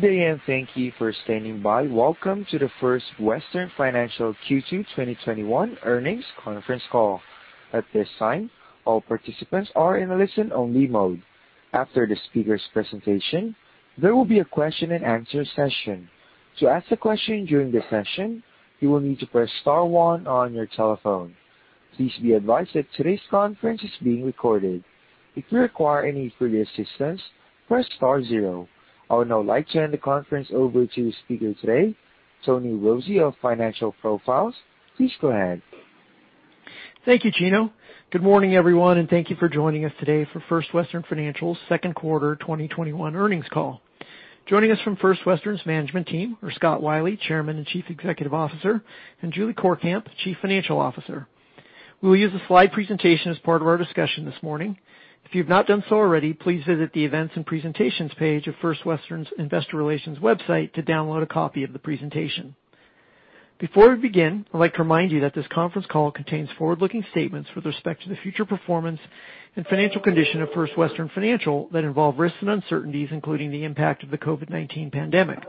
Good day, and thank you for standing by. Welcome to the First Western Financial Q2 2021 earnings conference call. At this time, all participants are in a listen-only mode. After the speaker's presentation, there will be a question and answer session. To ask a question during the session, you will need to press star one on your telephone. Please be advised that today's conference is being recorded. If you require any further assistance, press star zero. I would now like to hand the conference over to the speaker today, Tony Rossi of Financial Profiles. Please go ahead. Thank you, Gino. Good morning, everyone, and thank you for joining us today for First Western Financial's Q2 2021 earnings call. Joining us from First Western's management team are Scott Wylie, Chairman and Chief Executive Officer, and Julie Courkamp, Chief Financial Officer. We'll use a slide presentation as part of our discussion this morning. If you've not done so already, please visit the Events and Presentations page of First Western's Investor Relations website to download a copy of the presentation. Before we begin, I'd like to remind you that this conference call contains forward-looking statements with respect to the future performance and financial condition of First Western Financial that involve risks and uncertainties, including the impact of the COVID-19 pandemic.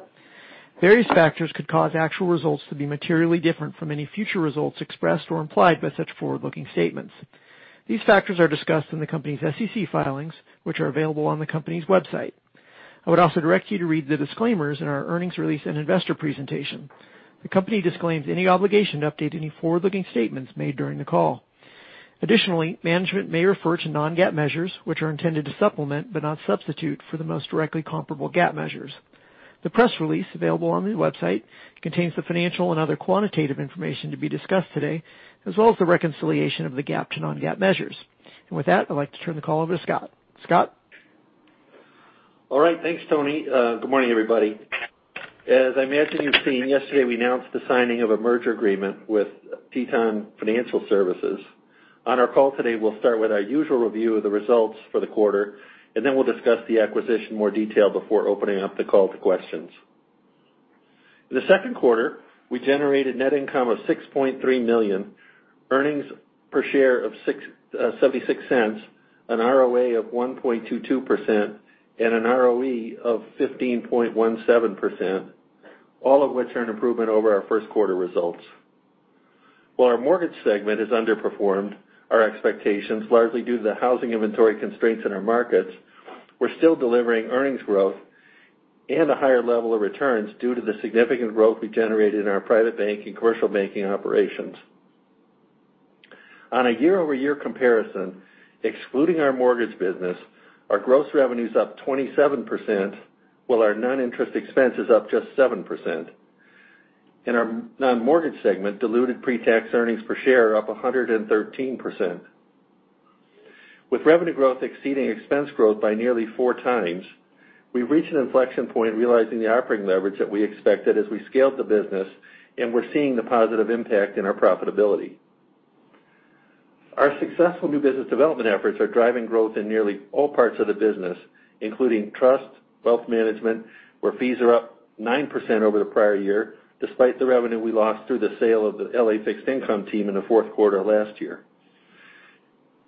Various factors could cause actual results to be materially different from any future results expressed or implied by such forward-looking statements. These factors are discussed in the company's SEC filings, which are available on the company's website. I would also direct you to read the disclaimers in our earnings release and investor presentation. The company disclaims any obligation to update any forward-looking statements made during the call. Additionally, management may refer to non-GAAP measures, which are intended to supplement, but not substitute for, the most directly comparable GAAP measures. The press release available on the website contains the financial and other quantitative information to be discussed today, as well as the reconciliation of the GAAP to non-GAAP measures. With that, I'd like to turn the call over to Scott. Scott? All right. Thanks, Tony. Good morning, everybody. As I imagine you've seen, yesterday, we announced the signing of a merger agreement with Teton Financial Services. On our call today, we'll start with our usual review of the results for the quarter, and then we'll discuss the acquisition in more detail before opening up the call to questions. In the Q2, we generated net income of $6.3 million, earnings per share of $0.76, an ROA of 1.22%, and an ROE of 15.17%, all of which are an improvement over our Q1 results. While our mortgage segment has underperformed our expectations, largely due to the housing inventory constraints in our markets, we're still delivering earnings growth and a higher level of returns due to the significant growth we generated in our private bank and commercial banking operations. On a year-over-year comparison, excluding our mortgage business, our gross revenue is up 27%, while our non-interest expense is up just 7%. In our non-mortgage segment, diluted pre-tax earnings per share are up 113%. With revenue growth exceeding expense growth by nearly 4x, we've reached an inflection point realizing the operating leverage that we expected as we scaled the business, and we're seeing the positive impact in our profitability. Our successful new business development efforts are driving growth in nearly all parts of the business, including trust, wealth management, where fees are up 9% over the prior year, despite the revenue we lost through the sale of the L.A. fixed income team in the Q4 last year.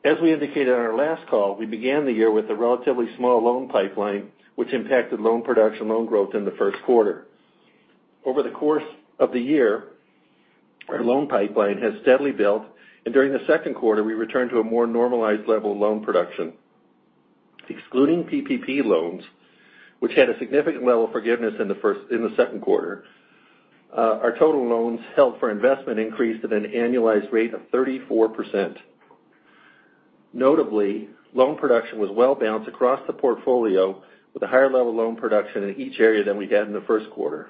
As we indicated on our last call, we began the year with a relatively small loan pipeline, which impacted loan production loan growth in the Q1. Over the course of the year, our loan pipeline has steadily built, and during the Q2, we returned to a more normalized level of loan production. Excluding PPP loans, which had a significant level of forgiveness in the Q2, our total loans held for investment increased at an annualized rate of 34%. Notably, loan production was well-balanced across the portfolio with a higher level of loan production in each area than we had in the Q1.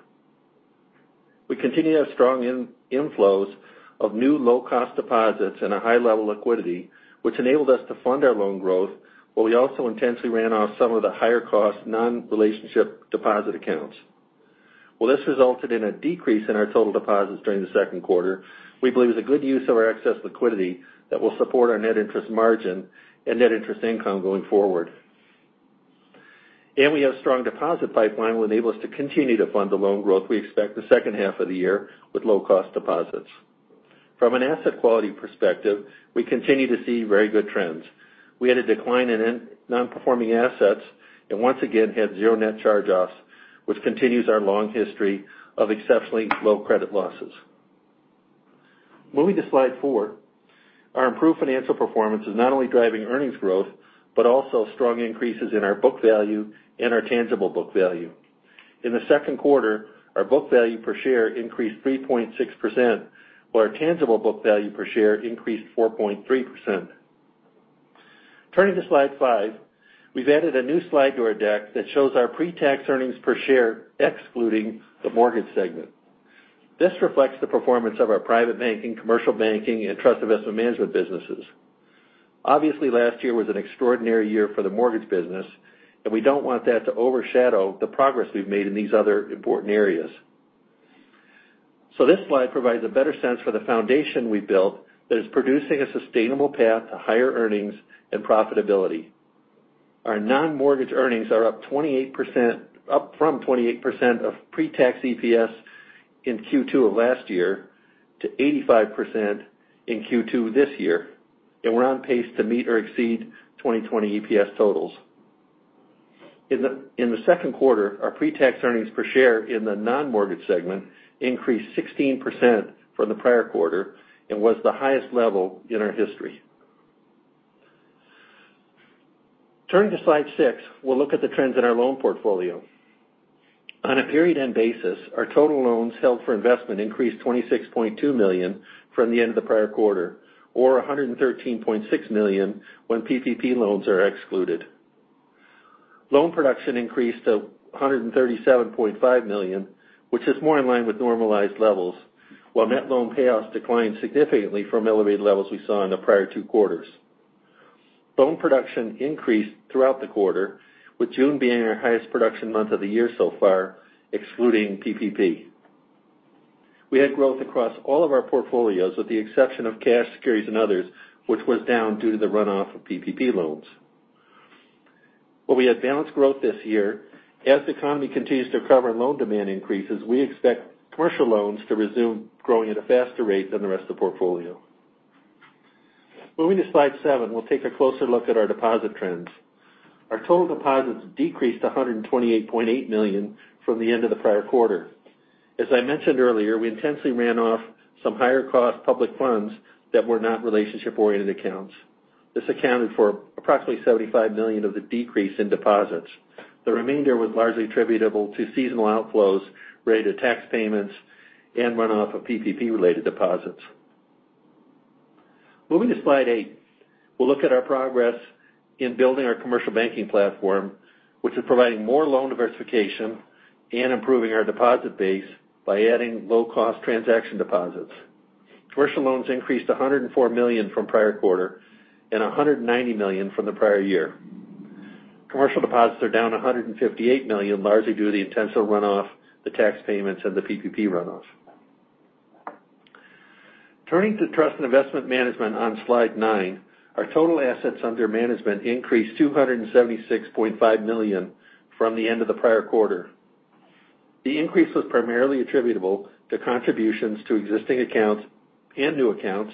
We continue to have strong inflows of new low-cost deposits and a high level of liquidity, which enabled us to fund our loan growth, while we also intensely ran off some of the higher cost non-relationship deposit accounts. While this resulted in a decrease in our total deposits during the Q2, we believe it's a good use of our excess liquidity that will support our net interest margin and net interest income going forward. We have a strong deposit pipeline will enable us to continue to fund the loan growth we expect the second half of the year with low-cost deposits. From an asset quality perspective, we continue to see very good trends. We had a decline in non-performing assets and once again had zero net charge-offs, which continues our long history of exceptionally low credit losses. Moving to slide four. Our improved financial performance is not only driving earnings growth but also strong increases in our book value and our tangible book value. In the Q2, our book value per share increased 3.6%, while our tangible book value per share increased 4.3%. Turning to slide five, we've added a new slide to our deck that shows our pre-tax earnings per share excluding the mortgage segment. This reflects the performance of our private banking, commercial banking, and trust investment management businesses. Obviously, last year was an extraordinary year for the mortgage business, and we don't want that to overshadow the progress we've made in these other important areas. This slide provides a better sense for the foundation we built that is producing a sustainable path to higher earnings and profitability. Our non-mortgage earnings are up from 28% of pre-tax EPS in Q2 of last year to 85% in Q2 this year, and we're on pace to meet or exceed 2020 EPS totals. In the Q2, our pre-tax earnings per share in the non-mortgage segment increased 16% from the prior quarter and was the highest level in our history. Turning to slide six, we will look at the trends in our loan portfolio. On a period-end basis, our total loans held for investment increased $26.2 million from the end of the prior quarter, or $113.6 million when PPP loans are excluded. loan production increased to $137.5 million, which is more in line with normalized levels, while net loan payoffs declined significantly from elevated levels we saw in the prior two quarters. loan production increased throughout the quarter, with June being our highest production month of the year so far, excluding PPP. We had growth across all of our portfolios, with the exception of cash, securities, and others, which was down due to the runoff of PPP loans. While we had balanced growth this year, as the economy continues to recover and loan demand increases, we expect commercial loans to resume growing at a faster rate than the rest of the portfolio. Moving to slide seven, we'll take a closer look at our deposit trends. Our total deposits decreased $128.8 million from the end of the prior quarter. As I mentioned earlier, we intentionally ran off some higher cost public funds that were not relationship-oriented accounts. This accounted for approximately $75 million of the decrease in deposits. The remainder was largely attributable to seasonal outflows related to tax payments and runoff of PPP-related deposits. Moving to slide eight, we'll look at our progress in building our commercial banking platform, which is providing more loan diversification and improving our deposit base by adding low-cost transaction deposits. Commercial loans increased to $104 million from prior quarter and $190 million from the prior year. Commercial deposits are down $158 million, largely due to the intentional runoff, the tax payments, and the PPP runoffs. Turning to trust and investment management on Slide nine, our total assets under management increased to $276.5 million from the end of the prior quarter. The increase was primarily attributable to contributions to existing accounts and new accounts,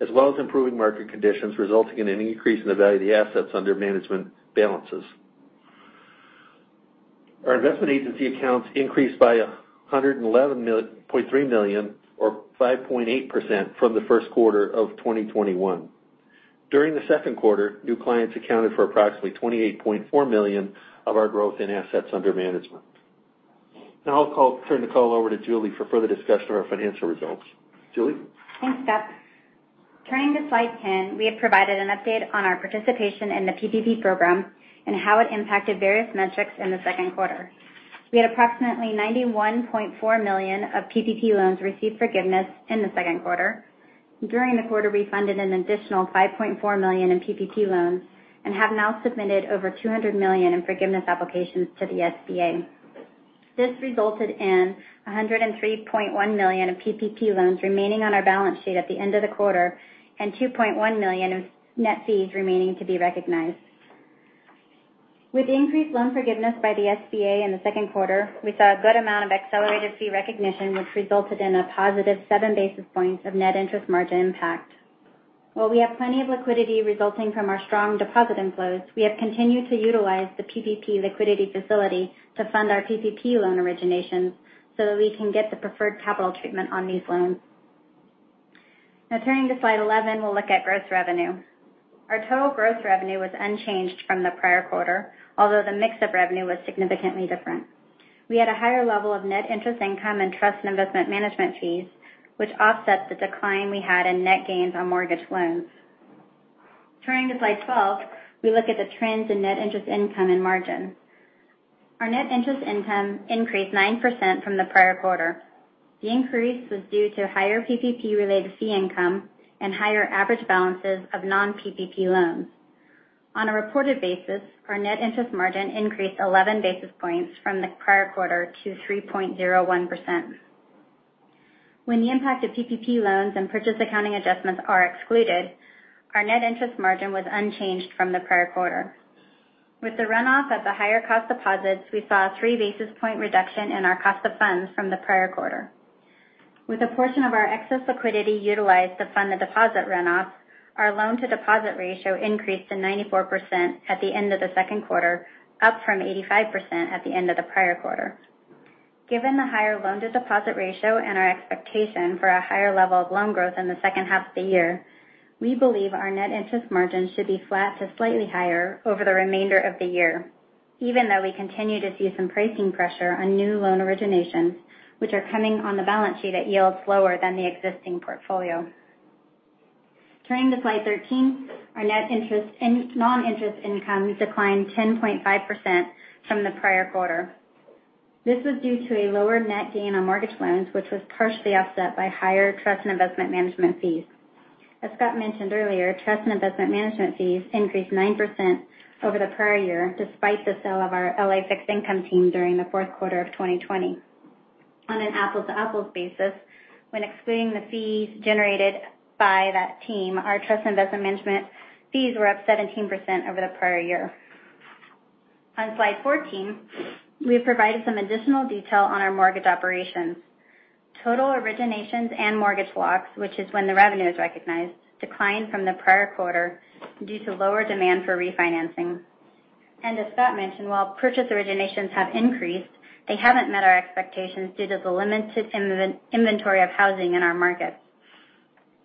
as well as improving market conditions, resulting in an increase in the value of the assets under management balances. Our investment agency accounts increased by $111.3 million or 5.8% from the Q1 of 2021. During the Q2, new clients accounted for approximately $28.4 million of our growth in assets under management. I'll turn the call over to Julie for further discussion of our financial results. Julie? Thanks, Scott. Turning to slide 10, we have provided an update on our participation in the PPP program and how it impacted various metrics in the Q2. We had approximately $91.4 million of PPP loans receive forgiveness in the Q2. During the quarter, we funded an additional $5.4 million in PPP loans and have now submitted over $200 million in forgiveness applications to the SBA. This resulted in $103.1 million of PPP loans remaining on our balance sheet at the end of the quarter and $2.1 million of net fees remaining to be recognized. With increased loan forgiveness by the SBA in the Q2, we saw a good amount of accelerated fee recognition, which resulted in a positive 7 basis points of net interest margin impact. While we have plenty of liquidity resulting from our strong deposit inflows, we have continued to utilize the PPP Liquidity Facility to fund our PPP loan originations so that we can get the preferred capital treatment on these loans. Turning to slide 11, we'll look at gross revenue. Our total gross revenue was unchanged from the prior quarter, although the mix of revenue was significantly different. We had a higher level of net interest income and trust and investment management fees, which offset the decline we had in net gains on mortgage loans. Turning to slide 12, we look at the trends in net interest income and margin. Our net interest income increased 9% from the prior quarter. The increase was due to higher PPP-related fee income and higher average balances of non-PPP loans. On a reported basis, our net interest margin increased 11 basis points from the prior quarter to 3.01%. When the impact of PPP loans and purchase accounting adjustments are excluded, our net interest margin was unchanged from the prior quarter. With the runoff of the higher cost deposits, we saw a 3 basis point reduction in our cost of funds from the prior quarter. With a portion of our excess liquidity utilized to fund the deposit runoff, our loan to deposit ratio increased to 94% at the end of the Q2, up from 85% at the end of the prior quarter. Given the higher loan to deposit ratio and our expectation for a higher level of loan growth in the second half of the year, we believe our net interest margin should be flat to slightly higher over the remainder of the year, even though we continue to see some pricing pressure on new loan originations, which are coming on the balance sheet at yields lower than the existing portfolio. Turning to slide 13, our net non-interest income declined 10.5% from the prior quarter. This was due to a lower net gain on mortgage loans, which was partially offset by higher trust and investment management fees. As Scott mentioned earlier, trust and investment management fees increased 9% over the prior year, despite the sale of our L.A. fixed income team during the Q4 of 2020. On an apples-to-apples basis, when excluding the fees generated by that team, our trust investment management fees were up 17% over the prior year. On slide 14, we have provided some additional detail on our mortgage operations. Total originations and mortgage locks, which is when the revenue is recognized, declined from the prior quarter due to lower demand for refinancing. As Scott mentioned, while purchase originations have increased, they haven't met our expectations due to the limited inventory of housing in our markets.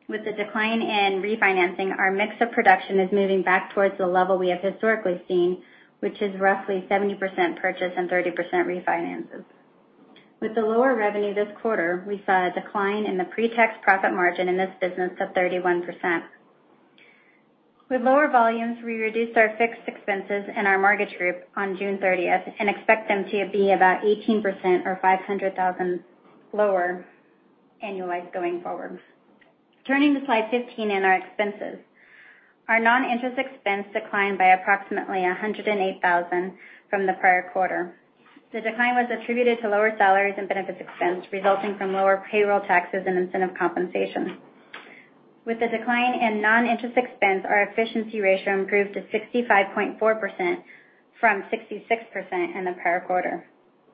With the decline in refinancing, our mix of production is moving back towards the level we have historically seen, which is roughly 70% purchase and 30% refinances. With the lower revenue this quarter, we saw a decline in the pre-tax profit margin in this business of 31%. With lower volumes, we reduced our fixed expenses in our mortgage group on June 30th and expect them to be about 18% or $500,000 lower annualized going forward. Turning to slide 15 and our expenses. Our non-interest expense declined by approximately $108,000 from the prior quarter. The decline was attributed to lower salaries and benefits expense, resulting from lower payroll taxes and incentive compensation. With the decline in non-interest expense, our efficiency ratio improved to 65.4% from 66% in the prior quarter.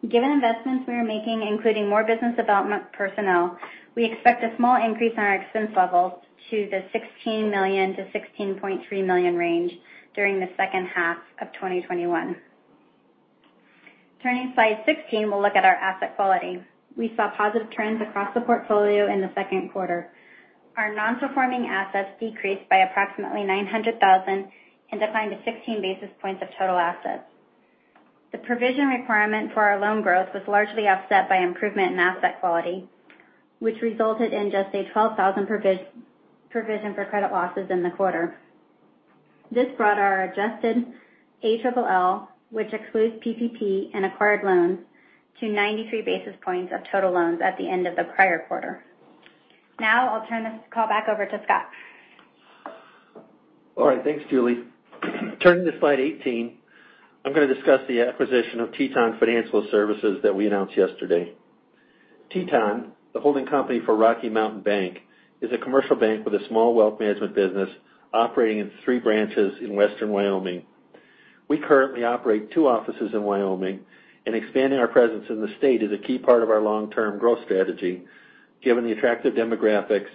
Given investments we are making, including more business development personnel, we expect a small increase in our expense levels to the $16 million-$16.3 million range during the second half of 2021. Turning to slide 16, we'll look at our asset quality. We saw positive trends across the portfolio in the second quarter. Our non-performing assets decreased by approximately $900,000 and declined to 16 basis points of total assets. The provision requirement for our loan growth was largely offset by improvement in asset quality, which resulted in just a $12,000 provision for credit losses in the quarter. This brought our adjusted ALL, which excludes PPP and acquired loans, to 93 basis points of total loans at the end of the prior quarter. Now, I'll turn this call back over to Scott. All right. Thanks, Julie. Turning to slide 18, I'm going to discuss the acquisition of Teton Financial Services that we announced yesterday. Teton, the holding company for Rocky Mountain Bank, is a commercial bank with a small wealth management business operating in three branches in Western Wyoming. We currently operate two offices in Wyoming, and expanding our presence in the state is a key part of our long-term growth strategy, given the attractive demographics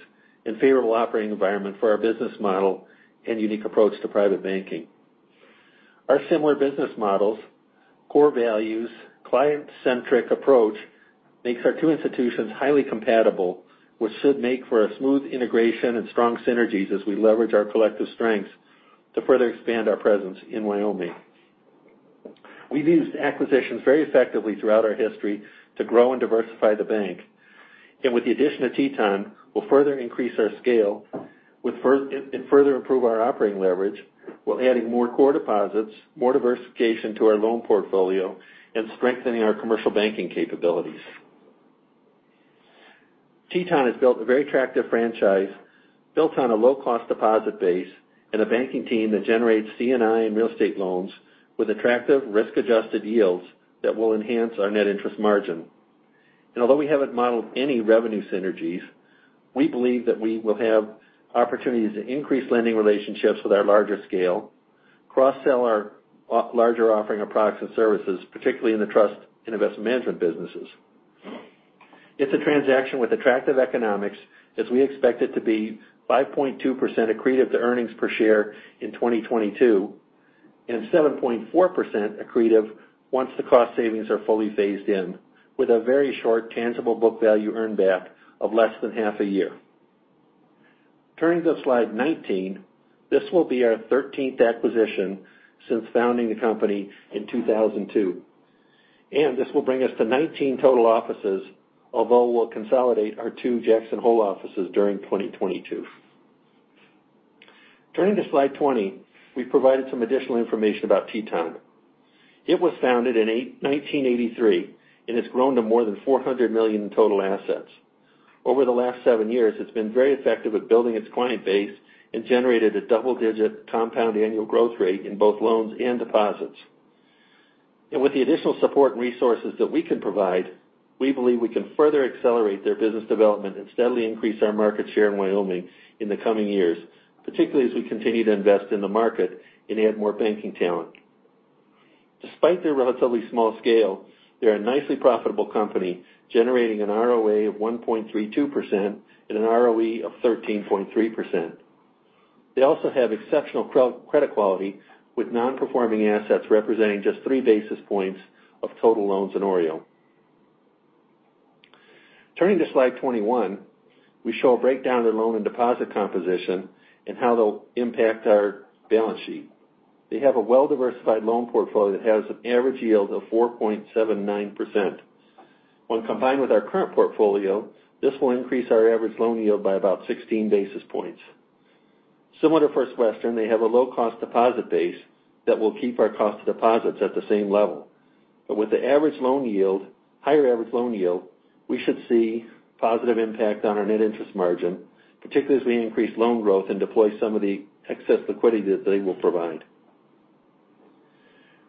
and favorable operating environment for our business model and unique approach to private banking. Our similar business models, core values, client-centric approach makes our two institutions highly compatible, which should make for a smooth integration and strong synergies as we leverage our collective strengths to further expand our presence in Wyoming. We've used acquisitions very effectively throughout our history to grow and diversify the bank. With the addition of Teton, we'll further increase our scale and further improve our operating leverage while adding more core deposits, more diversification to our loan portfolio, and strengthening our commercial banking capabilities. Teton has built a very attractive franchise, built on a low-cost deposit base and a banking team that generates C&I and real estate loans with attractive risk-adjusted yields that will enhance our net interest margin. Although we haven't modeled any revenue synergies, we believe that we will have opportunities to increase lending relationships with our larger scale, cross-sell our larger offering of products and services, particularly in the trust and investment management businesses. It's a transaction with attractive economics as we expect it to be 5.2% accretive to earnings per share in 2022 and 7.4% accretive once the cost savings are fully phased in with a very short tangible book value earn back of less than half a year. Turning to slide 19, this will be our 13th acquisition since founding the company in 2002. This will bring us to 19 total offices, although we'll consolidate our two Jackson Hole offices during 2022. Turning to slide 20, we've provided some additional information about Teton. It was founded in 1983 and has grown to more than $400 million in total assets. Over the last seven years, it's been very effective at building its client base and generated a double-digit compound annual growth rate in both loans and deposits. With the additional support and resources that we can provide, we believe we can further accelerate their business development and steadily increase our market share in Wyoming in the coming years, particularly as we continue to invest in the market and add more banking talent. Despite their relatively small scale, they're a nicely profitable company, generating an ROA of 1.32% and an ROE of 13.3%. They also have exceptional credit quality, with non-performing assets representing just 3 basis points of total loans and OREO. Turning to slide 21, we show a breakdown of their loan and deposit composition and how they'll impact our balance sheet. They have a well-diversified loan portfolio that has an average yield of 4.79%. When combined with our current portfolio, this will increase our average loan yield by about 16 basis points. Similar to First Western, they have a low-cost deposit base that will keep our cost of deposits at the same level. With the higher average loan yield, we should see positive impact on our net interest margin, particularly as we increase loan growth and deploy some of the excess liquidity that they will provide.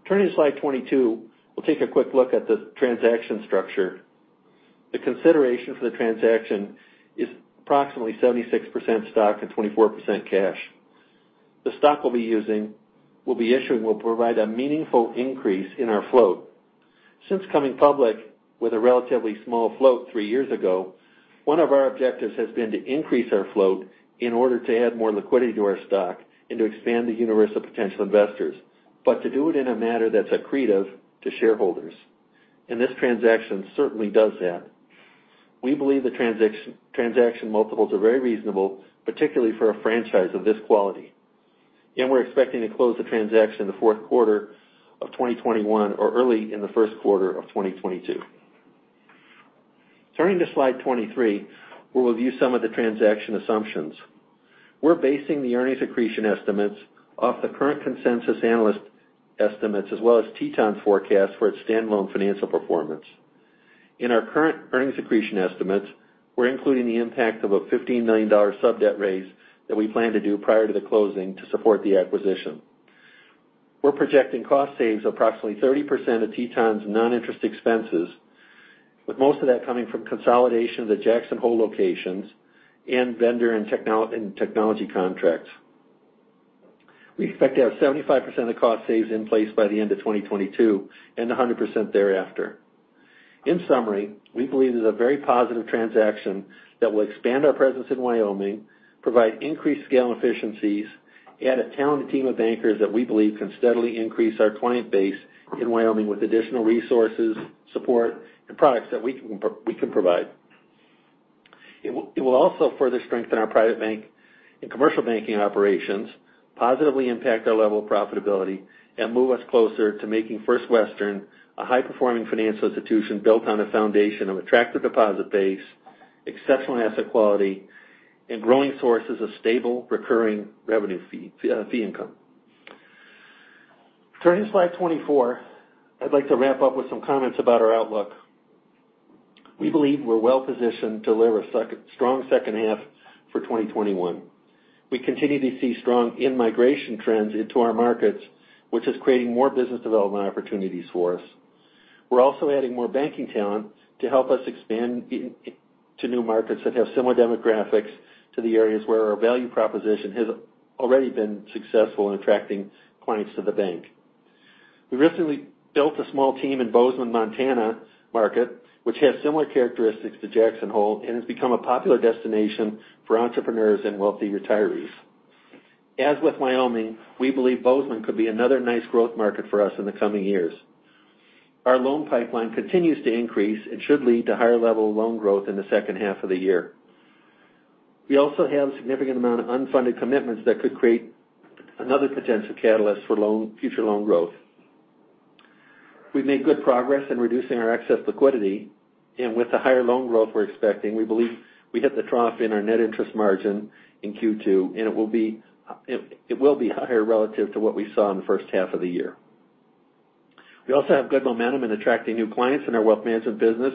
Turning to slide 22, we'll take a quick look at the transaction structure. The consideration for the transaction is approximately 76% stock and 24% cash. The stock we'll be issuing will provide a meaningful increase in our flow. Since coming public with a relatively small float three years ago, one of our objectives has been to increase our flow in order to add more liquidity to our stock and to expand the universe of potential investors. To do it in a manner that's accretive to shareholders, and this transaction certainly does that. We believe the transaction multiples are very reasonable, particularly for a franchise of this quality. We're expecting to close the transaction the Q4 of 2021 or early in the Q1 of 2022. Turning to slide 23, where we'll review some of the transaction assumptions. We're basing the earnings accretion estimates off the current consensus analyst estimates, as well as Teton forecast for its standalone financial performance. In our current earnings accretion estimates, we're including the impact of a $15 million sub-debt raise that we plan to do prior to the closing to support the acquisition. We're projecting cost saves approximately 30% of Teton's non-interest expenses, with most of that coming from consolidation of the Jackson Hole locations and vendor and technology contracts. We expect to have 75% of the cost saves in place by the end of 2022 and 100% thereafter. In summary, we believe this is a very positive transaction that will expand our presence in Wyoming, provide increased scale and efficiencies, add a talented team of bankers that we believe can steadily increase our client base in Wyoming with additional resources, support, and products that we can provide. It will also further strengthen our private bank and commercial banking operations, positively impact our level of profitability, and move us closer to making First Western a high-performing financial institution built on a foundation of attractive deposit base, exceptional asset quality, and growing sources of stable recurring revenue fee income. Turning to slide 24, I'd like to wrap up with some comments about our outlook. We believe we're well-positioned to deliver a strong second half for 2021. We continue to see strong in-migration trends into our markets, which is creating more business development opportunities for us. We're also adding more banking talent to help us expand to new markets that have similar demographics to the areas where our value proposition has already been successful in attracting clients to the bank. We recently built a small team in Bozeman, Montana market, which has similar characteristics to Jackson Hole and has become a popular destination for entrepreneurs and wealthy retirees. As with Wyoming, we believe Bozeman could be another nice growth market for us in the coming years. Our loan pipeline continues to increase and should lead to higher level loan growth in the second half of the year. We also have a significant amount of unfunded commitments that could create another potential catalyst for future loan growth. We've made good progress in reducing our excess liquidity, and with the higher loan growth we're expecting, we believe we hit the trough in our net interest margin in Q2, and it will be higher relative to what we saw in the first half of the year. We also have good momentum in attracting new clients in our wealth management business,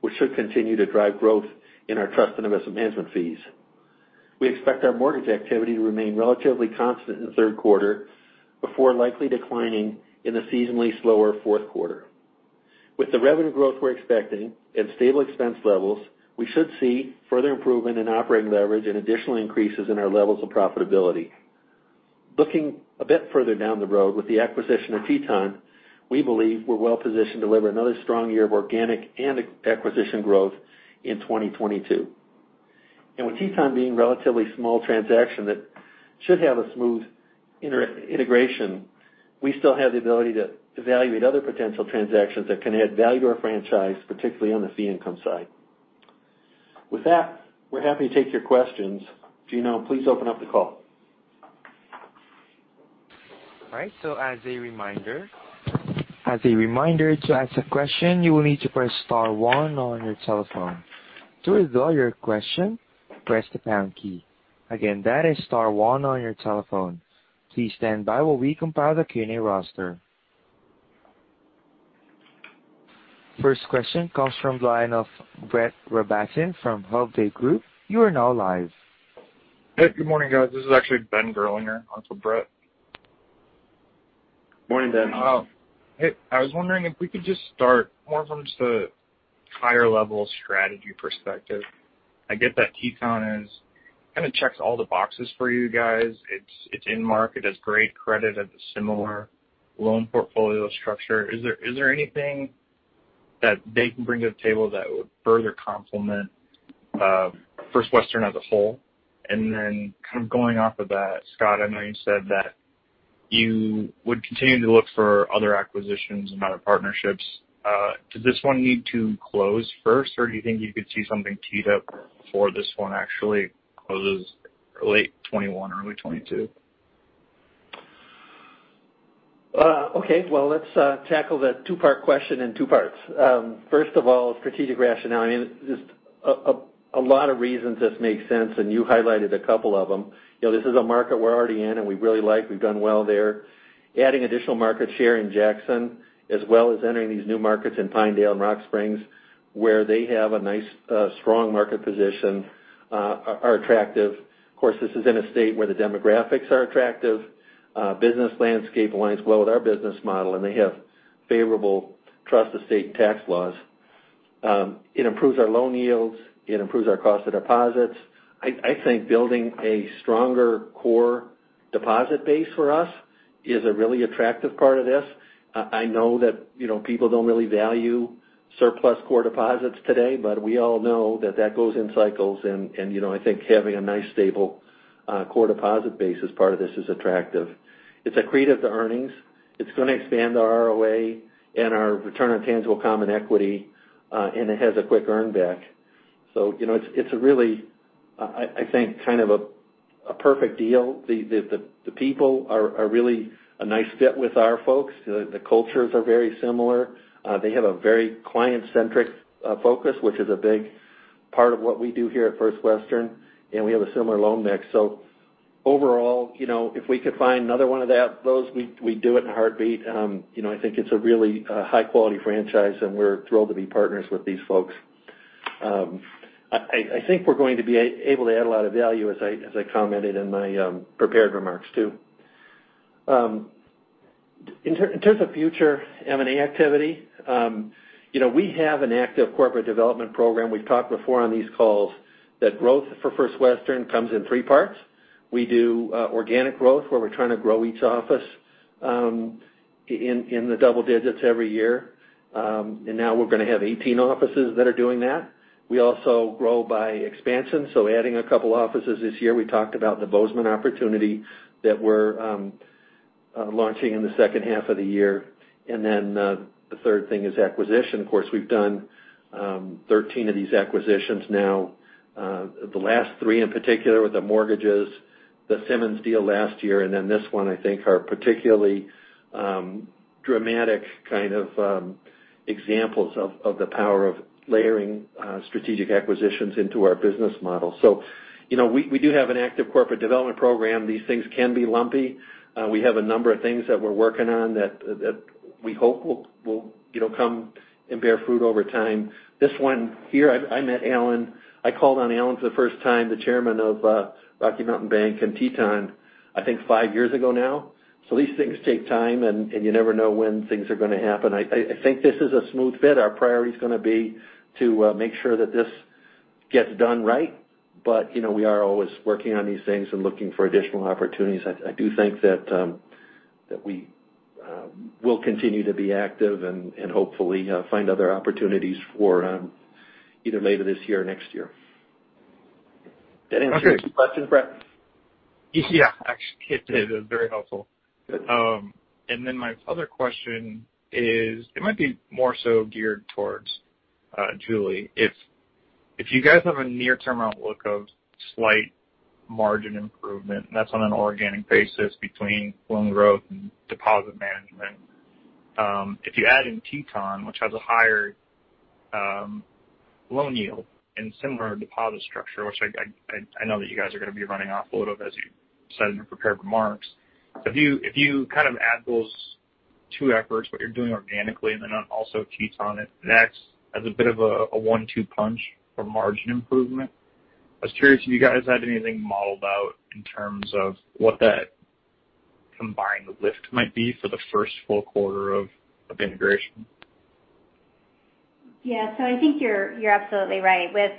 which should continue to drive growth in our trust and investment management fees. We expect our mortgage activity to remain relatively constant in the Q3 before likely declining in the seasonally slower Q4. With the revenue growth we're expecting and stable expense levels, we should see further improvement in operating leverage and additional increases in our levels of profitability. Looking a bit further down the road with the acquisition of Teton, we believe we're well-positioned to deliver another strong year of organic and acquisition growth in 2022. With Teton being relatively small transaction that should have a smooth integration, we still have the ability to evaluate other potential transactions that can add value to our franchise, particularly on the fee income side. With that, we're happy to take your questions. Gino, please open up the call. As a reminder to ask a question, you will need to press star one on your telephone. To withdraw your question, press the pound key. Again, that is star one on your telephone. Please stand by while we compile the Q&A roster. First question comes from the line of Brett Rabatin from Hovde Group. You are now live. Hey, good morning, guys. This is actually Ben Gerlinger onto Brett. Morning, Ben. Hey, I was wondering if we could just start more from just a higher level strategy perspective. I get that Teton kind of checks all the boxes for you guys. It's in market, it has great credit, it has a similar loan portfolio structure. Is there anything that they can bring to the table that would further complement First Western as a whole? Then kind of going off of that, Scott Wylie, I know you said that you would continue to look for other acquisitions and other partnerships. Does this one need to close first, or do you think you could see something teed up before this one actually closes late 2021, early 2022? Okay. Well, let's tackle that two-part question in two parts. First of all, strategic rationale. I mean, just a lot of reasons this makes sense, and you highlighted a couple of them. This is a market we're already in and we really like. We've done well there. Adding additional market share in Jackson, as well as entering these new markets in Pinedale and Rock Springs, where they have a nice, strong market position, are attractive. Of course, this is in a state where the demographics are attractive. Business landscape aligns well with our business model, and they have favorable trust estate and tax laws. It improves our loan yields. It improves our cost of deposits. I think building a stronger core deposit base for us is a really attractive part of this. I know that people don't really value surplus core deposits today, but we all know that goes in cycles. I think having a nice stable core deposit base as part of this is attractive. It's accretive to earnings. It's going to expand our ROA and our return on tangible common equity, and it has a quick earn back. It's really, I think, kind of a perfect deal. The people are really a nice fit with our folks. The cultures are very similar. They have a very client-centric focus, which is a big part of what we do here at First Western, and we have a similar loan mix. Overall, if we could find another one of those, we'd do it in a heartbeat. I think it's a really high-quality franchise, and we're thrilled to be partners with these folks. I think we're going to be able to add a lot of value as I commented in my prepared remarks, too. In terms of future M&A activity, we have an active corporate development program. We've talked before on these calls that growth for First Western comes in three parts. We do organic growth, where we're trying to grow each office in the double digits every year. Now we're going to have 18 offices that are doing that. We also grow by expansion, so adding a couple offices this year. We talked about the Bozeman opportunity that we're launching in the second half of the year. Then the third thing is acquisition. Of course, we've done 13 of these acquisitions now. The last three in particular with the mortgages, the Simmons deal last year, and then this one, I think, are particularly dramatic kind of examples of the power of layering strategic acquisitions into our business model. We do have an active corporate development program. These things can be lumpy. We have a number of things that we're working on that we hope will come and bear fruit over time. This one here, I met Alan. I called on Alan for the first time, the chairman of Rocky Mountain Bank and Teton, I think five years ago now. These things take time, and you never know when things are going to happen. I think this is a smooth fit. Our priority is going to be to make sure that this gets done right. We are always working on these things and looking for additional opportunities. I do think that we will continue to be active and hopefully find other opportunities for either later this year or next year. Did that answer your question, Brett? Yeah. Actually, it did. It was very helpful. Good. Then my other question is, it might be more so geared towards Julie. If you guys have a near-term outlook of slight margin improvement, and that's on an organic basis between loan growth and deposit management. If you add in Teton, which has a higher loan yield and similar deposit structure, which I know that you guys are going to be running off a little as you said in your prepared remarks. If you kind of add those two efforts, what you're doing organically and then also Teton, that has a bit of a one-two punch for margin improvement. I was curious if you guys had anything modeled out in terms of what that combined lift might be for the first full quarter of integration. Yeah. I think you're absolutely right. With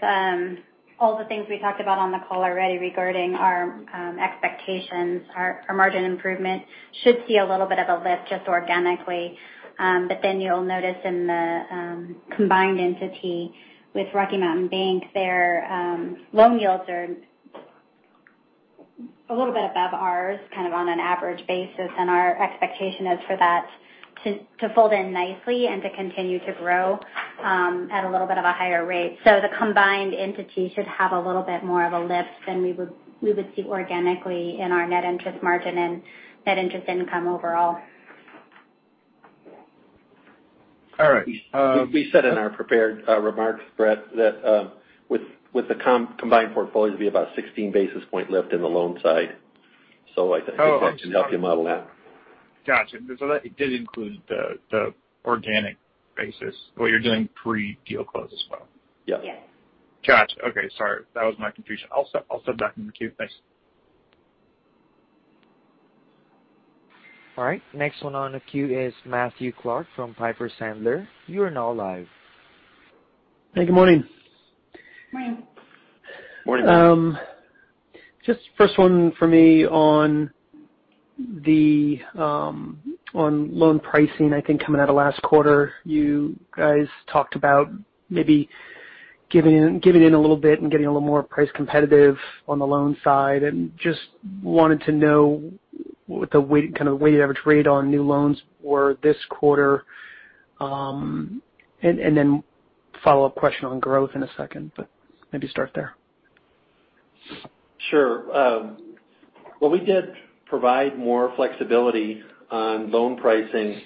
all the things we talked about on the call already regarding our expectations, our margin improvement should see a little bit of a lift just organically. You'll notice in the combined entity with Rocky Mountain Bank, their loan yields are a little bit above ours kind of on an average basis. Our expectation is for that to fold in nicely and to continue to grow at a little bit of a higher rate. The combined entity should have a little bit more of a lift than we would see organically in our net interest margin and net interest income overall. All right. We said in our prepared remarks, Brett, that with the combined portfolio to be about 16 basis point lift in the loan side. I think that should help you model that. Got you. That did include the organic basis, what you're doing pre-deal close as well? Yes. Yes. Got you. Okay. Sorry. That was my confusion. I'll step back in the queue. Thanks. All right. Next one on the queue is Matthew Clark from Piper Sandler. You are now live. Hey, good morning. Morning. Morning. Just first one for me on loan pricing. I think coming out of last quarter, you guys talked about maybe giving in a little bit and getting a little more price competitive on the loan side. Just wanted to know what the kind of weighted average rate on new loans were this quarter. A follow-up question on growth in a second, but maybe start there. Sure. Well, we did provide more flexibility on loan pricing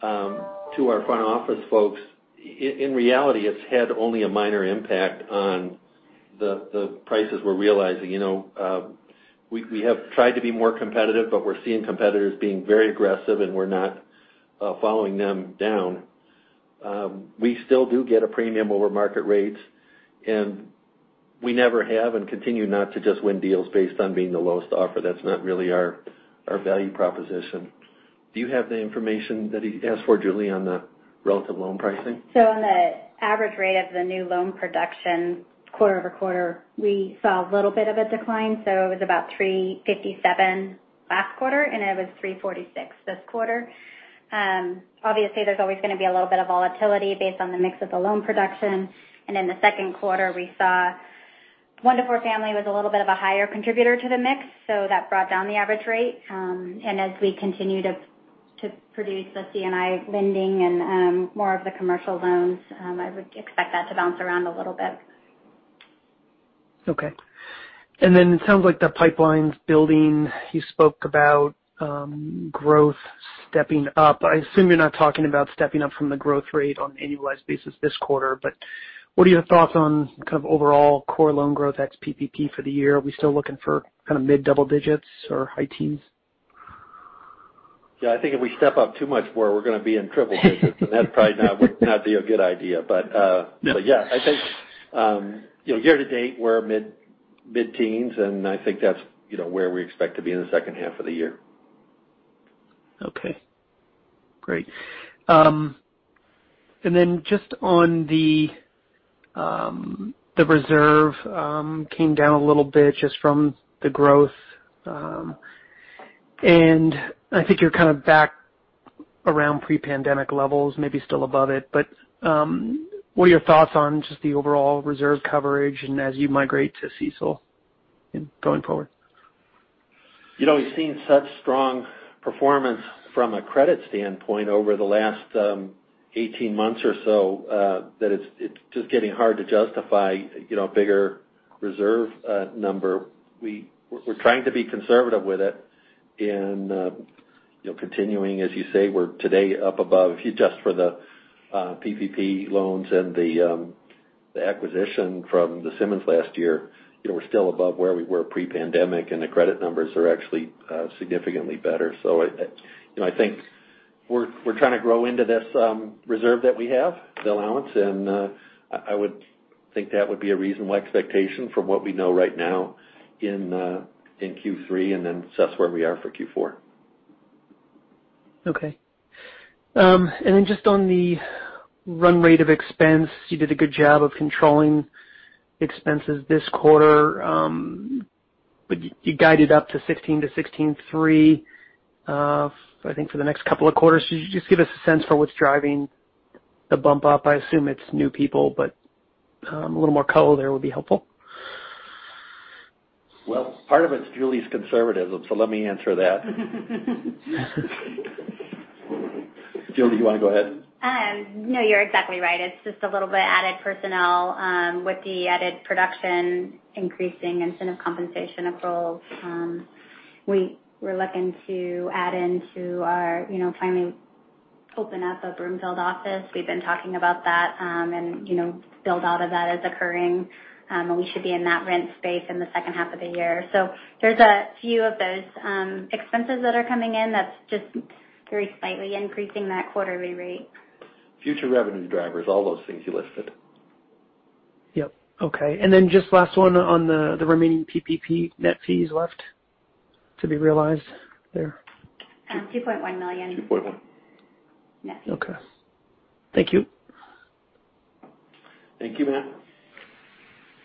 to our front office folks. In reality, it's had only a minor impact on the prices we're realizing. We have tried to be more competitive, but we're seeing competitors being very aggressive, and we're not following them down. We still do get a premium over market rates, and we never have, and continue not to just win deals based on being the lowest offer. That's not really our value proposition. Do you have the information that he asked for, Julie, on the relative loan pricing? On the average rate of the new loan production quarter-over-quarter, we saw a little bit of a decline. It was about 357 last quarter, and it was 346 this quarter. Obviously, there's always going to be a little bit of volatility based on the mix of the loan production. In the Q2, We saw One to Four Family was a little bit of a higher contributor to the mix, so that brought down the average rate. As we continue to produce the C&I lending and more of the commercial loans, I would expect that to bounce around a little bit. Okay. It sounds like the pipeline's building. You spoke about growth stepping up. I assume you're not talking about stepping up from the growth rate on an annualized basis this quarter, but what are your thoughts on kind of overall core loan growth ex PPP for the year? Are we still looking for mid double digits or high teens? I think if we step up too much more, we're going to be in triple digits. That probably would not be a good idea. I think year to date, we're mid-teens, and I think that's where we expect to be in the second half of the year. Okay. Great. Just on the reserve, came down a little bit just from the growth. I think you're kind of back around pre-pandemic levels, maybe still above it, but what are your thoughts on just the overall reserve coverage and as you migrate to CECL going forward? We've seen such strong performance from a credit standpoint over the last 18 months or so, that it's just getting hard to justify a bigger reserve number. We're trying to be conservative with it and continuing, as you say, we're today up above, if you adjust for the PPP loans and the acquisition from the Simmons Bank last year, We're still above where we were pre-pandemic, and the credit numbers are actually significantly better. I think we're trying to grow into this reserve that we have, the allowance, and I would think that would be a reasonable expectation from what we know right now in Q3, and then assess where we are for Q4. Okay. Just on the run rate of expense, you did a good job of controlling expenses this quarter. You guided up to $16 million-$16.3 million, I think, for the next couple of quarters. Could you just give us a sense for what's driving the bump up? I assume it's new people, but a little more color there would be helpful. Well, part of it's Julie's conservatism, so let me answer that. Julie, do you want to go ahead? No, you're exactly right. It's just a little bit of added personnel. With the added production increasing incentive compensation accruals. We were looking to finally open up a Broomfield office. We've been talking about that. Build-out of that is occurring. We should be in that rent space in the second half of the year. There's a few of those expenses that are coming in that's just very slightly increasing that quarterly rate. Future revenue drivers, all those things you listed. Yep. Okay. Just last one on the remaining PPP net fees left to be realized there. $2.1 million in net fees. Okay. Thank you. Thank you, Matthew.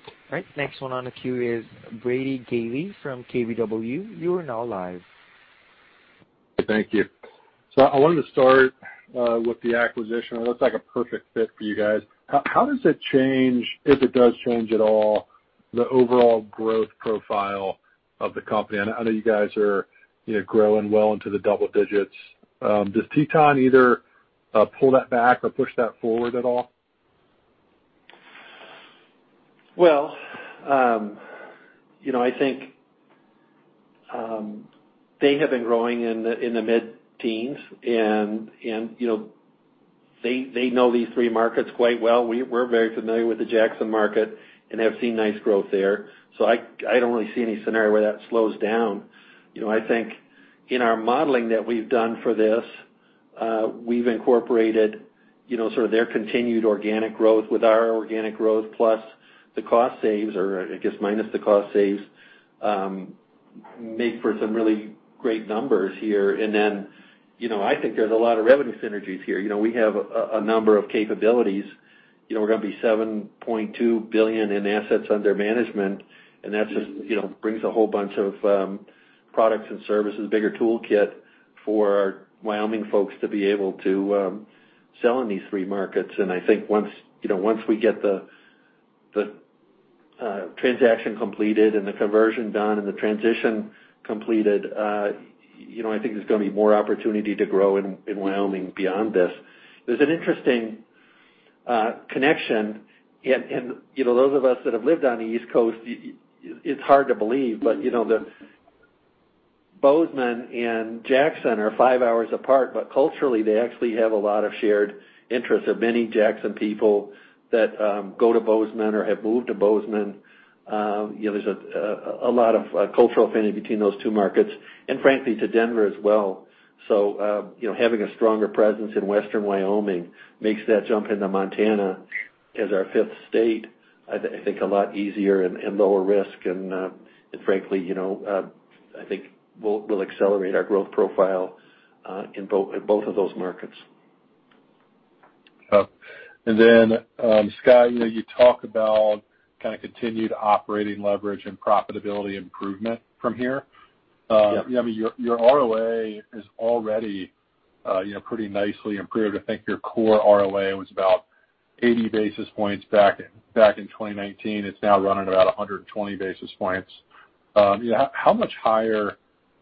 All right. Next one on the queue is Brady Gailey from KBW. You are now live. Thank you. I wanted to start with the acquisition. It looks like a perfect fit for you guys. How does it change, if it does change at all, the overall growth profile of the company? I know you guys are growing well into the double digits. Does Teton either pull that back or push that forward at all? I think they have been growing in the mid-teens, and they know these three markets quite well. We're very familiar with the Jackson market and have seen nice growth there. I don't really see any scenario where that slows down. I think in our modeling that we've done for this, we've incorporated sort of their continued organic growth with our organic growth plus the cost saves, or I guess minus the cost saves, make for some really great numbers here. I think there's a lot of revenue synergies here. We have a number of capabilities. We're going to be $7.2 billion in assets under management, and that just brings a whole bunch of products and services, bigger toolkit for our Wyoming folks to be able to sell in these three markets. I think once we get the transaction completed and the conversion done and the transition completed, I think there's going to be more opportunity to grow in Wyoming beyond this. There's an interesting connection, and those of us that have lived on the East Coast, it's hard to believe, but Bozeman and Jackson are five hours apart, but culturally, they actually have a lot of shared interests. There are many Jackson people that go to Bozeman or have moved to Bozeman. There's a lot of cultural affinity between those two markets, and frankly, to Denver as well. Having a stronger presence in Western Wyoming makes that jump into Montana as our fifth state, I think a lot easier and lower risk, and frankly, I think we'll accelerate our growth profile in both of those markets. Okay. Scott, you talk about kind of continued operating leverage and profitability improvement from here. Yeah. Your ROA is already pretty nicely improved. I think your core ROA was about 80 basis points back in 2019. It's now running about 120 basis points. How much higher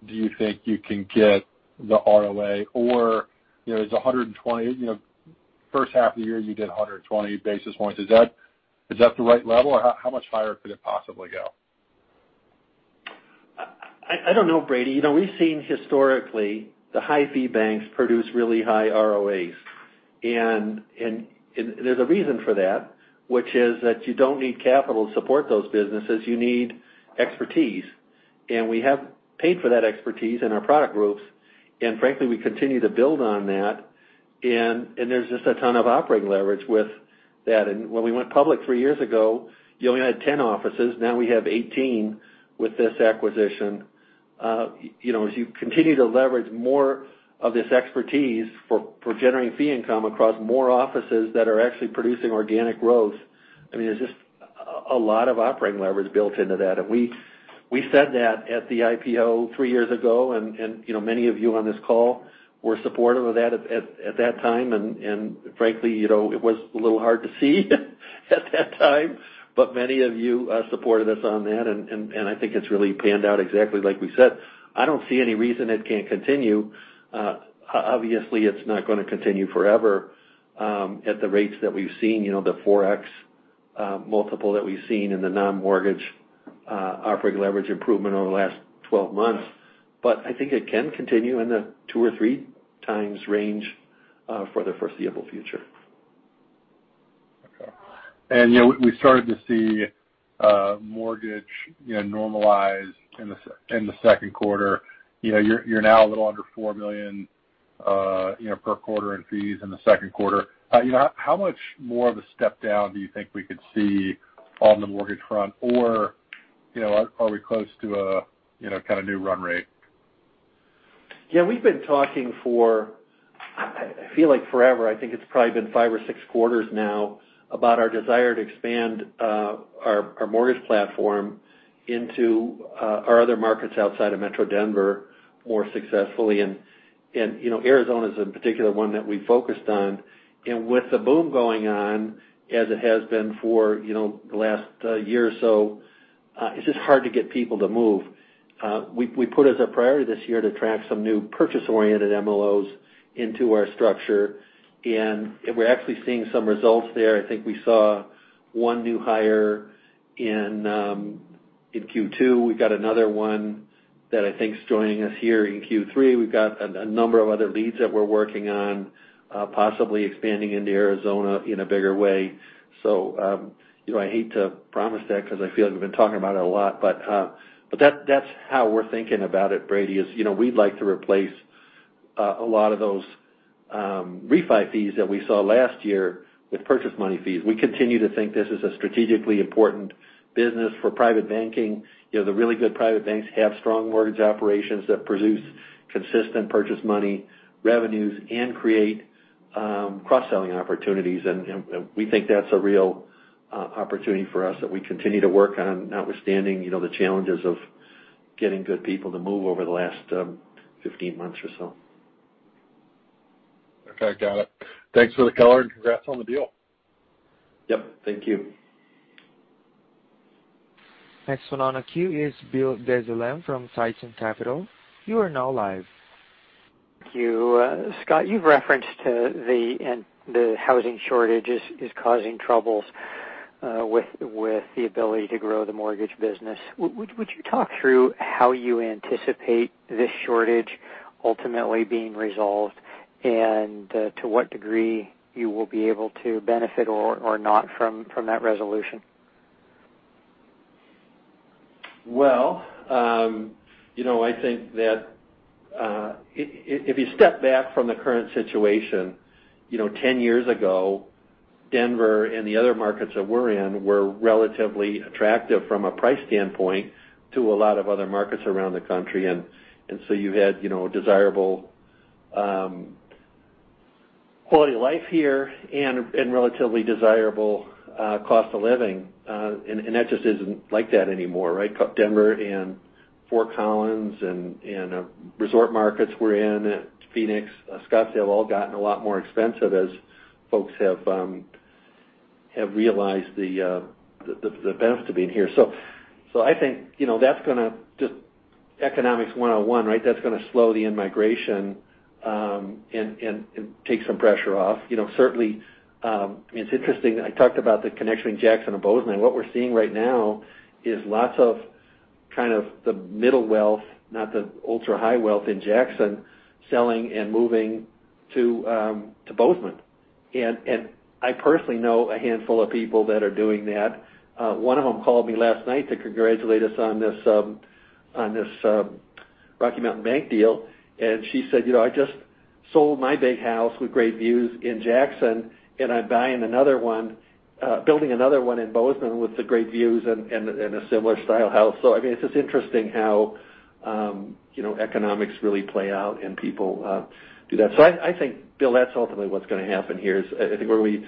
do you think you can get the ROA? First half of the year, you did 120 basis points. Is that the right level, or how much higher could it possibly go? I don't know, Brady. We've seen historically the high-fee banks produce really high ROAs. There's a reason for that, which is that you don't need capital to support those businesses. You need expertise. We have paid for that expertise in our product groups. Frankly, we continue to build on that. There's just a ton of operating leverage with that. When we went public three years ago, you only had 10 offices. Now we have 18 with this acquisition. As you continue to leverage more of this expertise for generating fee income across more offices that are actually producing organic growth, I mean, there's just a lot of operating leverage built into that. We said that at the IPO three years ago, and many of you on this call were supportive of that at that time. Frankly, it was a little hard to see at that time, but many of you supported us on that, and I think it's really panned out exactly like we said. I don't see any reason it can't continue. Obviously, it's not going to continue forever at the rates that we've seen, the 4x multiple that we've seen in the non-mortgage operating leverage improvement over the last 12 months. I think it can continue in the two or 3x range for the foreseeable future. Okay. We started to see mortgage normalize in the Q2. You're now a little under $4 million per quarter in fees in the Q2. How much more of a step down do you think we could see on the mortgage front? Are we close to a kind of new run rate? Yeah. We've been talking for, I feel like forever, I think it's probably been five or six quarters now, about our desire to expand our mortgage platform into our other markets outside of Metro Denver more successfully. Arizona is a particular one that we focused on. With the boom going on as it has been for the last year or so, it's just hard to get people to move. We put as a priority this year to attract some new purchase-oriented MLOs into our structure, and we're actually seeing some results there. I think we saw one new hire in Q2. We've got another one that I think is joining us here in Q3. We've got a number of other leads that we're working on, possibly expanding into Arizona in a bigger way. I hate to promise that because I feel like we've been talking about it a lot, but that's how we're thinking about it, Brady, is we'd like to replace a lot of those refi fees that we saw last year with purchase money fees. We continue to think this is a strategically important business for private banking. The really good private banks have strong mortgage operations that produce consistent purchase money revenues and create cross-selling opportunities. We think that's a real opportunity for us that we continue to work on, notwithstanding the challenges of getting good people to move over the last 15 months or so. Okay, got it. Thanks for the color, and congrats on the deal. Yep. Thank you. Next one on the queue is Bill Dezellem from Tieton Capital Management. You are now live. Thank you. Scott, you've referenced to the housing shortage is causing troubles with the ability to grow the mortgage business. Would you talk through how you anticipate this shortage ultimately being resolved and to what degree you will be able to benefit or not from that resolution? I think that if you step back from the current situation, 10 years ago, Denver and the other markets that we're in were relatively attractive from a price standpoint to a lot of other markets around the country. You had desirable quality of life here and relatively desirable cost of living. That just isn't like that anymore. Denver and Fort Collins and resort markets we're in, Phoenix, Scottsdale, all gotten a lot more expensive as folks have realized the benefits of being here. I think that's going to just economics 101. That's going to slow the in-migration and take some pressure off. Certainly, it's interesting, I talked about the connection between Jackson and Bozeman. What we're seeing right now is lots of kind of the middle wealth, not the ultra-high wealth in Jackson, selling and moving to Bozeman. I personally know a handful of people that are doing that. one of them called me last night to congratulate us on this Rocky Mountain Bank deal. She said, "I just sold my big house with great views in Jackson, and I'm building another one in Bozeman with the great views and a similar style house." It's just interesting how economics really play out and people do that. I think, Bill, that's ultimately what's going to happen here, is I think we're going to be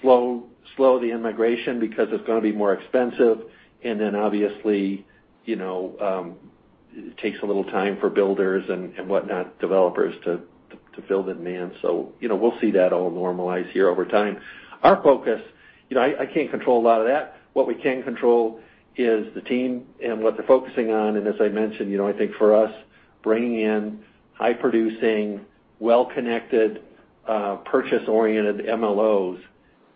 slow the in-migration because it's going to be more expensive, and then obviously, it takes a little time for builders and whatnot, developers to build in demand. We'll see that all normalize here over time. Our focus, I can't control a lot of that. What we can control is the team and what they're focusing on. As I mentioned, I think for us, bringing in high-producing, well-connected, purchase-oriented MLOs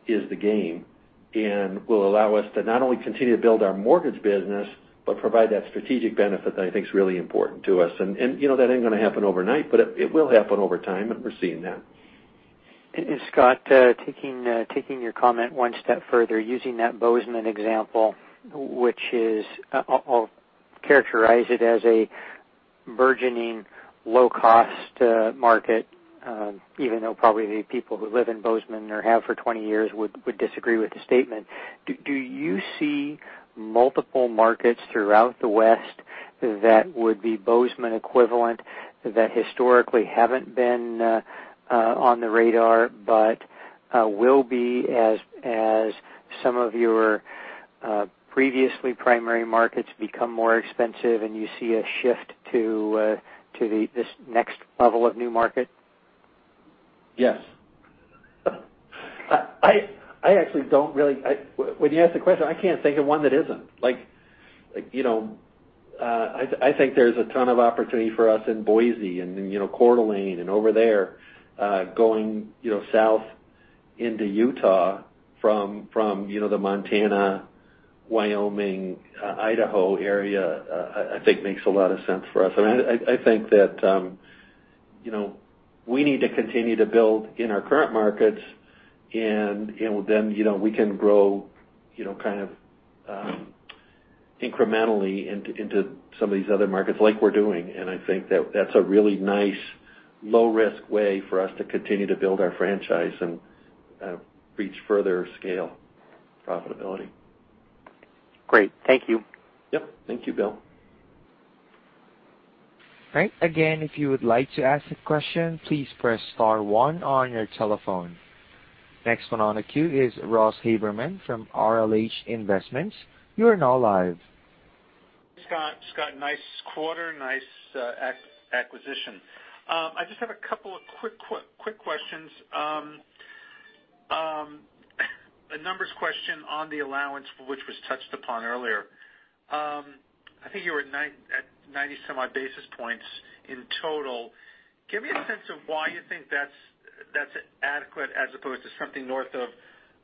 is the game, and will allow us to not only continue to build our mortgage business, but provide that strategic benefit that I think is really important to us. That ain't going to happen overnight, but it will happen over time, and we're seeing that. Scott, taking your comment one step further, using that Bozeman example, which is, I'll characterize it as a burgeoning low-cost market, even though probably the people who live in Bozeman or have for 20 years would disagree with the statement. Do you see multiple markets throughout the West that would be Bozeman equivalent, that historically haven't been on the radar, but will be as some of your previously primary markets become more expensive and you see a shift to this next level of new market? Yes. When you ask the question, I can't think of one that isn't. I think there's a ton of opportunity for us in Boise and Coeur d'Alene and over there. Going south into Utah from the Montana, Wyoming, Idaho area, I think makes a lot of sense for us. I think that we need to continue to build in our current markets and then we can grow kind of incrementally into some of these other markets like we're doing. I think that that's a really nice low-risk way for us to continue to build our franchise and reach further scale profitability. Great. Thank you. Yep. Thank you, Bill. Right. Again, if you would like to ask a question, please press star one on your telephone. Next one on the queue is Ross Haberman from RLH Investments. You are now live. Scott, nice quarter. Nice acquisition. I just have a couple of quick questions. A numbers question on the allowance for which was touched upon earlier. I think you were at 90 some basis points in total. Give me a sense of why you think that's adequate as opposed to something north of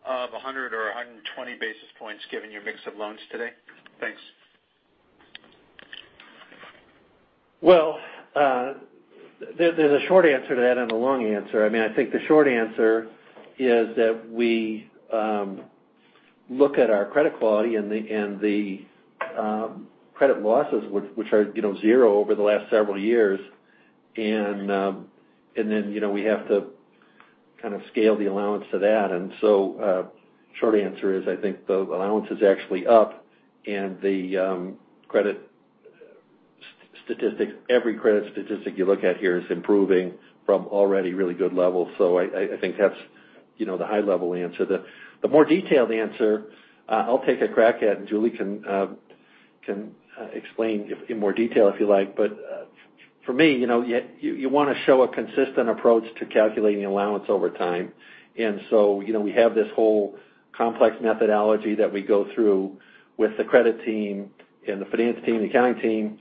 100 or 120 basis points given your mix of loans today. Thanks. Well, there's a short answer to that and a long answer. I think the short answer is that we look at our credit quality and the credit losses, which are zero over the last several years. Then we have to kind of scale the allowance to that. Short answer is, I think the allowance is actually up and every credit statistic you look at here is improving from already really good levels. I think that's the high-level answer. The more detailed answer, I'll take a crack at, and Julie can explain in more detail if you like. For me, you want to show a consistent approach to calculating allowance over time. We have this whole complex methodology that we go through with the credit team and the finance team, the accounting team,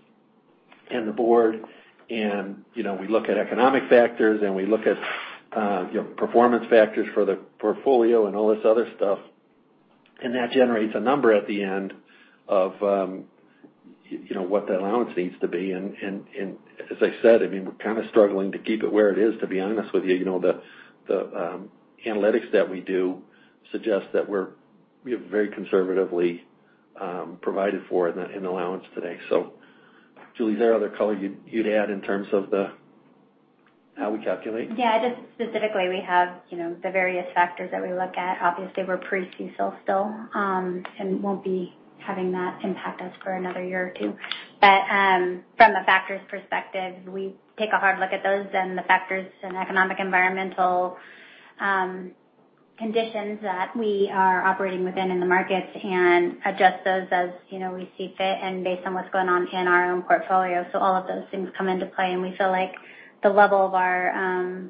and the board, and we look at economic factors and we look at performance factors for the portfolio and all this other stuff. That generates a number at the end of what the allowance needs to be. As I said, we're kind of struggling to keep it where it is, to be honest with you. The analytics that we do suggest that we have very conservatively provided for in allowance today. Julie, is there other color you'd add in terms of how we calculate? Yeah, just specifically, we have the various factors that we look at. Obviously, we're pre-CECL still, and won't be having that impact us for another year or two. From a factors perspective, we take a hard look at those and the factors and economic environmental conditions that we are operating within the markets and adjust those as we see fit and based on what's going on in our own portfolio. All of those things come into play, and we feel like the level of our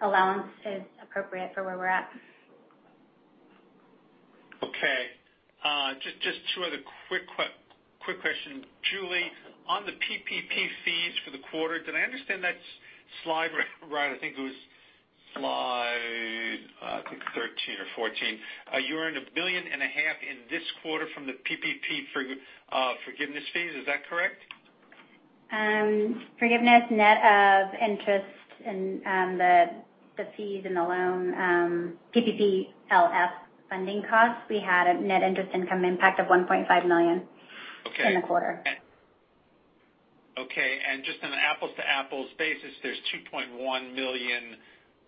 allowance is appropriate for where we're at. Okay. Just two other quick questions. Julie, on the PPP fees for the quarter. Did I understand that slide right? I think it was slide 13 or 14. You earned a billion and a half in this quarter from the PPP forgiveness fees. Is that correct? Forgiveness net of interest and the fees and the loan, PPPLF funding costs, we had a net interest income impact of $1.5 million. Okay In the quarter. Okay. Just on an apples-to-apples basis, there's $2.1 million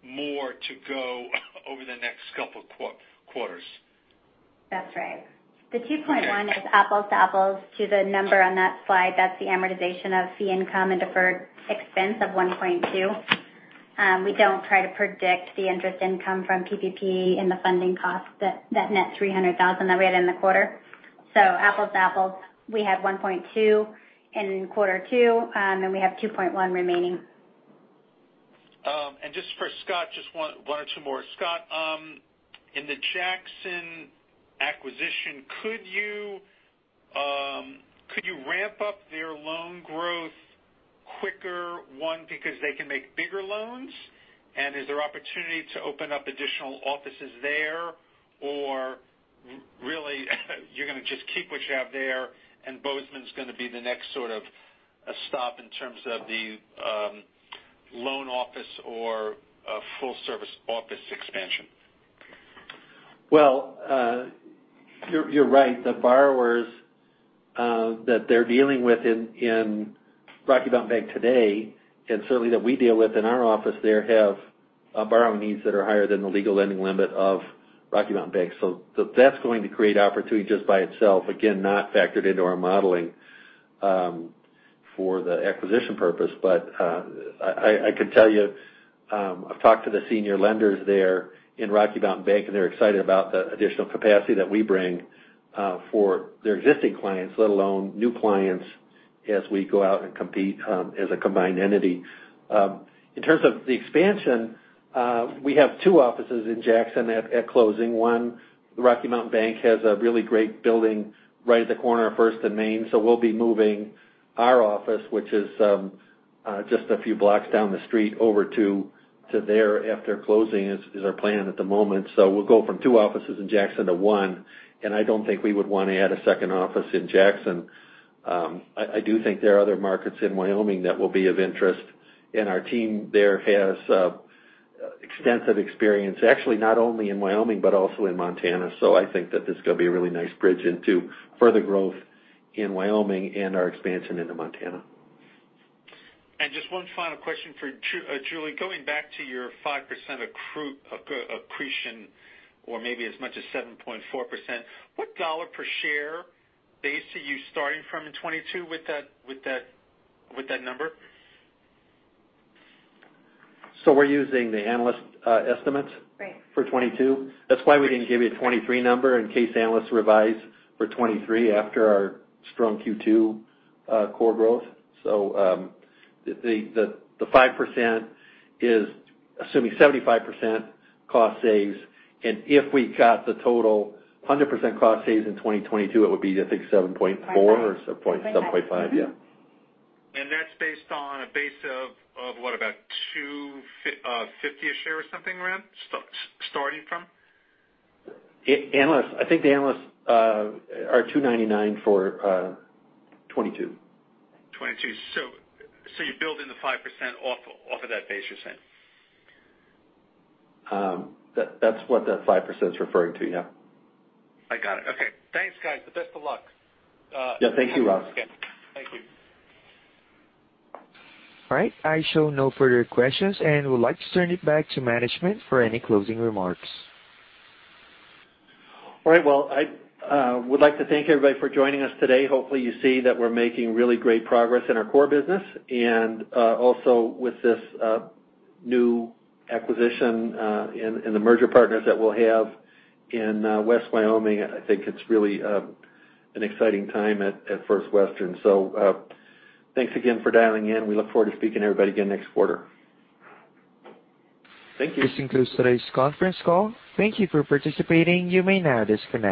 more to go over the next couple of quarters. That's right. The $2.1 is apples to apples to the number on that slide. That's the amortization of fee income and deferred expense of $1.2. We don't try to predict the interest income from PPP in the funding cost, that net $300,000 that we had in the quarter. Apples to apples, we had $1.2 in quarter two, and then we have $2.1 remaining. Just for Scott, just one or two more. Scott, in the Jackson acquisition, could you ramp up their loan growth quicker, one, because they can make bigger loans? Is there opportunity to open up additional offices there? Really, you're going to just keep what you have there, and Bozeman's going to be the next sort of stop in terms of the loan office or a full-service office expansion? Well, you're right. The borrowers that they're dealing with in Rocky Mountain Bank today, and certainly that we deal with in our office there, have borrowing needs that are higher than the legal lending limit of Rocky Mountain Bank. That's going to create opportunity just by itself. Again, not factored into our modeling for the acquisition purpose. I can tell you, I've talked to the senior lenders there in Rocky Mountain Bank, and they're excited about the additional capacity that we bring for their existing clients, let alone new clients, as we go out and compete as a combined entity. In terms of the expansion, we have two offices in Jackson at closing. One, the Rocky Mountain Bank has a really great building right at the corner of First and Main. We'll be moving our office, which is just a few blocks down the street, over to there after closing is our plan at the moment. We'll go from two offices in Jackson to one, and I don't think we would want to add a second office in Jackson. I do think there are other markets in Wyoming that will be of interest, and our team there has extensive experience, actually not only in Wyoming but also in Montana. I think that this is going to be a really nice bridge into further growth in Wyoming and our expansion into Montana. Just one final question for Julie. Going back to your 5% accretion, or maybe as much as 7.4%, what dollar per share base are you starting from in 2022 with that number? We're using the analyst estimates. Right. For 2022. That's why we didn't give you a 2023 number, in case analysts revise for 2023 after our strong Q2 core growth. The 5% is assuming 75% cost saves, if we got the total 100% cost saves in 2022, it would be, I think, 7.4% or 7.5%. Yeah. That's based on a base of what, about $250 a share or something around, starting from? I think the analysts are $2.99 for 2022. 2022. You build in the 5% off of that base, you're saying? That's what that 5% is referring to, yeah. I got it. Okay. Thanks, guys. The best of luck. Yeah. Thank you, Ross. Yeah. Thank you. All right. I show no further questions and would like to turn it back to management for any closing remarks. All right. Well, I would like to thank everybody for joining us today. Hopefully, you see that we're making really great progress in our core business. With this new acquisition and the merger partners that we'll have in West Wyoming, I think it's really an exciting time at First Western. Thanks again for dialing in. We look forward to speaking to everybody again next quarter. Thank you. This concludes today's conference call. Thank you for participating. You may now disconnect.